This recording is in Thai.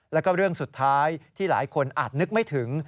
แล้วก็เรื่องสุดท้ายที่หลายคนอาจนึกไม่ถึง